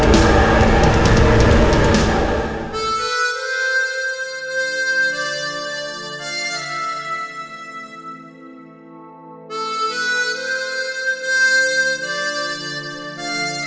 kau memang pemuda yang hebat